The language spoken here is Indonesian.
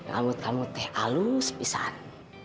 rambut rambut teh halus pisang